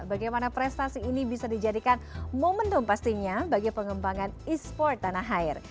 bagaimana prestasi ini bisa dijadikan momentum pastinya bagi pengembangan e sport tanah air